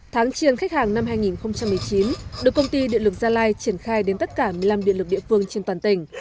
tháng chiên khách hàng năm hai nghìn một mươi chín được công ty điện lực gia lai triển khai đến tất cả một mươi năm điện lực địa phương trên toàn tỉnh